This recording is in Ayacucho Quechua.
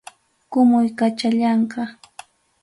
kumuykachallanqa.